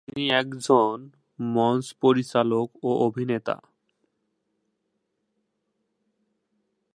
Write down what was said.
তিনি একজন মঞ্চ পরিচালক ও অভিনেতা।